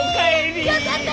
よかった！